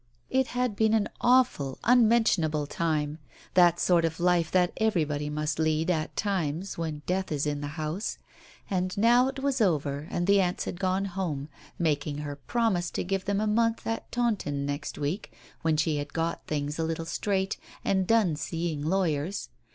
It had been an awful, unmentionable time, the sort of life that everybody must lead at times, when Death is in the house; but now it was over and the aunts had gone home, making her promise to give them a month at Taunton next week, when she had got things a little straight and done seeing lawyers.